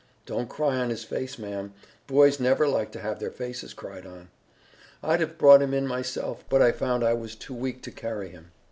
Don't cry on his face, ma'am. Boys never like to have their faces cried on. I'd have brought him in myself, but I found I was too weak to carry him.